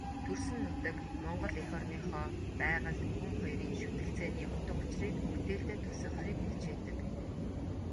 Төрсөн нутаг, Монгол эх орныхоо байгаль, хүн хоёрын шүтэлцээний утга учрыг бүтээлдээ тусгахыг хичээдэг.